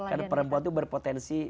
karena perempuan itu berpotensi